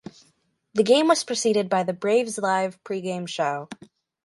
The game was preceded by the "Braves Live" pregame show.